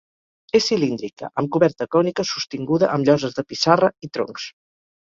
És cilíndrica, amb coberta cònica sostinguda amb lloses de pissarra i troncs.